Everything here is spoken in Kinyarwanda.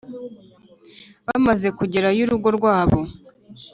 Bamaze kugera kure y urugo rwabo